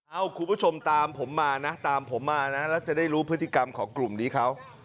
คุณผู้ชมตามผมมานะตามผมมานะแล้วจะได้รู้พฤติกรรมของกลุ่มนี้เขา